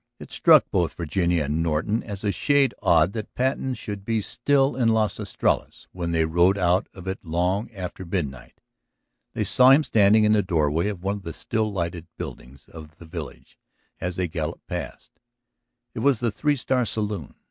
It struck both Virginia and Norton as a shade odd that Patten should be still in Las Estrellas when they rode out of it long after midnight. They saw him standing in the doorway of the one still lighted building of the village as they galloped past. It was the Three Star saloon.